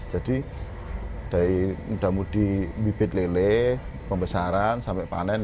jadi dari muda mudi bibit lele pembesaran sampai panen